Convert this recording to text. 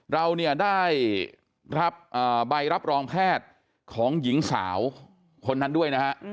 เราได้ใบรับรองแพทย์ของหญิงสาวคนนั้นด้วย